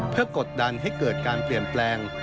เพื่อกดดันให้เกิดการเปลี่ยนแปลง